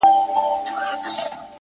چي کاته چي په کتو کي را ايسار دي;